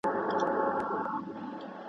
غم لړلی نازولی دی کمکی دی.